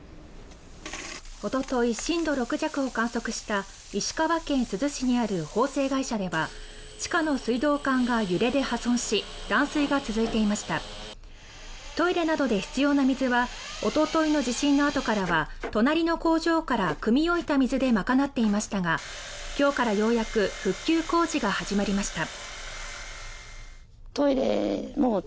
おととい震度６弱を観測した石川県珠洲市にある縫製会社では地下の水道管が揺れて破損し断水が続いていましたトイレなどで必要な水はおとといの地震のあとからは隣の工場から汲み置いた水で賄っていましたが今日からようやく復旧工事が始まりました